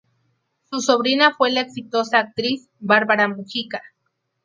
Su sobrina fue la exitosa actriz Bárbara Mujica.